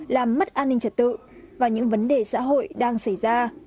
làm mất an ninh trật tự và những vấn đề xã hội đang xảy ra